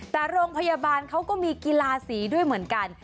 แต่โรงพยาบาลเขาก็มีกีฬาสีด้วยเหมือนกัน